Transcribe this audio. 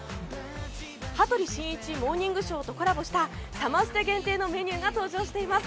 「羽鳥慎一モーニングショー」とコラボしたサマステ限定のメニューが登場しています。